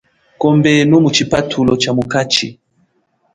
Kombenu mu chipathulo chamukachi.